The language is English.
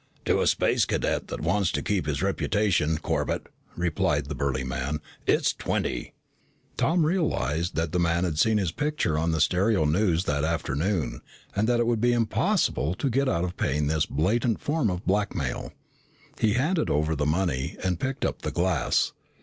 "To a Space Cadet that wants to keep his reputation, Corbett," replied the burly man, "it's twenty." Tom realized that the man had seen his picture on the stereo news that afternoon and that it would be impossible to get out of paying this blatant form of blackmail. He handed over the money and picked up the glass.